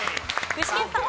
具志堅さん。